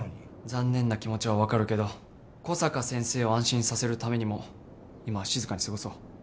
残念な気持ちは分かるけど小坂先生を安心させるためにも今は静かに過ごそう。